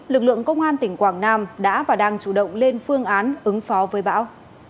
lực lượng công an tỉnh quảng nam đã và đang chủ động lên phương án ứng phó với bão